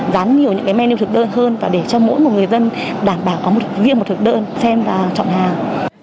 dán nhiều những menu thực đơn hơn và để cho mỗi người dân đảm bảo có riêng một thực đơn xem và chọn hàng